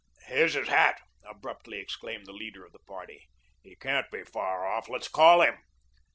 "Here's his hat," abruptly exclaimed the leader of the party. "He can't be far off. Let's call him."